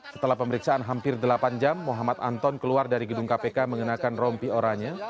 setelah pemeriksaan hampir delapan jam muhammad anton keluar dari gedung kpk mengenakan rompi oranya